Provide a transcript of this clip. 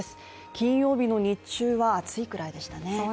金曜日の日中は、暑いぐらいでしたね。